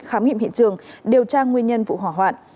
khám nghiệm hiện trường điều tra nguyên nhân vụ hỏa hoạn